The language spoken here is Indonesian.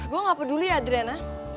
gue gak peduli ya drena